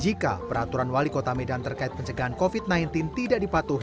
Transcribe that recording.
jika peraturan wali kota medan terkait pencegahan covid sembilan belas tidak dipatuhi